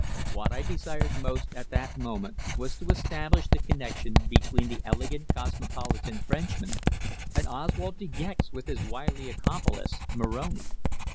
What I desired most at that moment was to establish the connexion between the elegant cosmopolitan Frenchman and Oswald De Gex with his wily accomplice Moroni.